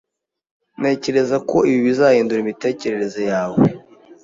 Ntekereza ko ibi bizahindura imitekerereze yawe.